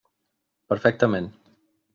Perfectament.